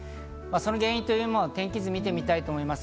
その原因というのを天気図で見てみたいと思います。